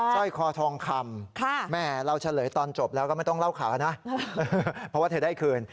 สร้อยคอทองคำแม่เราเฉลยตอนจบแล้วก็ไม่ต้องเล่าข่าวนะเพราะว่าเธอได้คืน